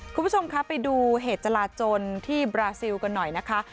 คุณผู้ชมคะไปดูเหตุจราจนที่บราซิลกันหน่อยนะคะ